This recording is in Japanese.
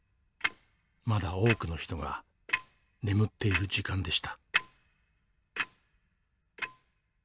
まだ多くの人が眠っている時間でした。